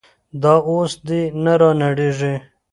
دا اوس دې نه رانړېږي.